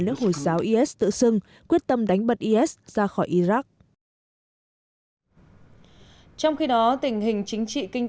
nước hồi giáo is tự xưng quyết tâm đánh bật is ra khỏi iraq trong khi đó tình hình chính trị kinh